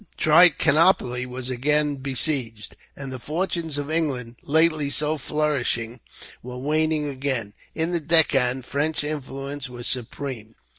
Trichinopoli was again besieged, and the fortunes of England, lately so flourishing, were waning again. In the Deccan, French influence was supreme.